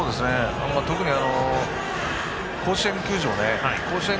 特に甲子園球場で。